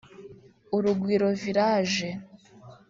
Urugwiro Village